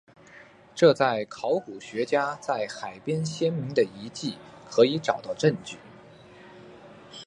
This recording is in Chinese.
这在考古学家在海边先民的遗迹可以找到证据。